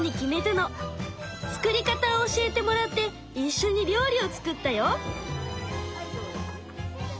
作り方を教えてもらっていっしょに料理を作ったよ。